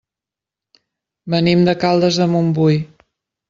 Venim de Caldes de Montbui.